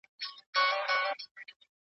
د رویبار لاري سوې بندي زېری نه راځي جانانه